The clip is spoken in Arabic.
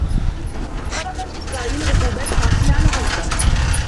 فرضت إسرائيل عقوبات قاسية على غزّة.